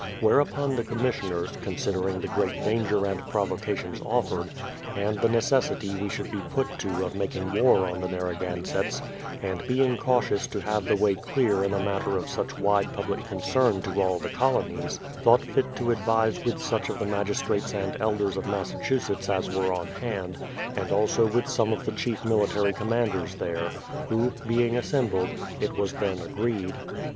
Whereupon the commissioners, con sidering the great danger and provocations offered, and the necessity we should be put to of making war on the Narragansetts, and being cautious to have the way clear in a matter of such wide public concern to all the colonies, thought fit to advise with such of the magistrates and elders of Massachusetts as were at hand, and also with some of the chief military commanders there; who being assembled, it was then agreed: 1.